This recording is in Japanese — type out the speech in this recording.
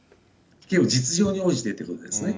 実情に応じてということですね。